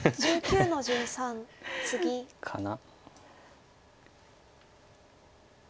かな？